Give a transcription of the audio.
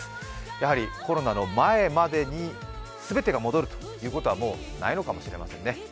やはりコロナの前までに、全てが戻るということはもう、ないのかもしれませんね。